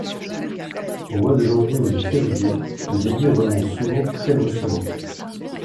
Au mois de janvier ou de février, le débit remonte souvent très brusquement.